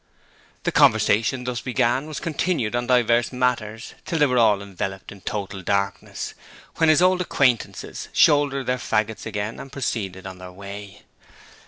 The conversation thus began was continued on divers matters till they were all enveloped in total darkness, when his old acquaintances shouldered their faggots again and proceeded on their way.